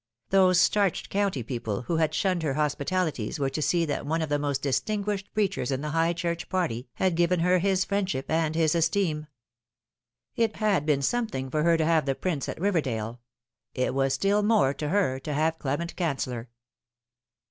Those starched county people who had shunned her hospitalities were to see that one of the most distinguished preachers in the High Church party had given her his friendship and his esteem. It had been something for her to have the Prince at River dale : it was still more to her to have Clement Canceller.